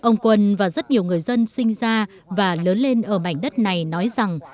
hàng quần và rất nhiều người dân sinh ra và lớn lên ở mảnh đất này nói rằng